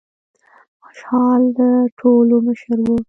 خوشال د ټولو مشر و.